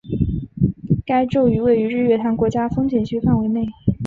该庙宇位于日月潭国家风景区范围内。